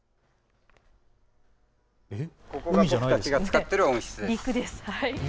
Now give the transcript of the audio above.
ここが僕たちが使っている温室です。